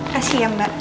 kasih ya mbak